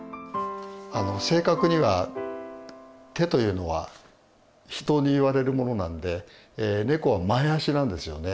あの正確には手というのは人に言われるものなんでネコは前足なんですよね。